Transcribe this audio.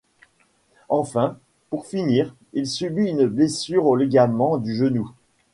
Enfin, pour finir, il subit une blessure aux ligaments du genou.